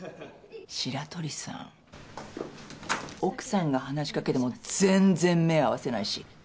白鳥さん奥さんが話しかけても全然目合わせないし。